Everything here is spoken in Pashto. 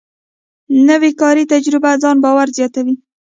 نوې کاري تجربه ځان باور زیاتوي